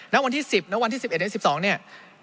ณวันที่๑๐ณวันที่๑๑ณวันที่๑๒เนี่ย